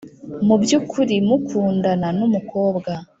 mubyukuri mukundana numukobwa